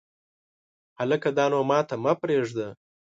هلکه دا نو ماته پرېږده !